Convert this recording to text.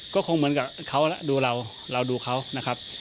ก็คงเหมือนกับเขาดูเราเราดูเขานะครับ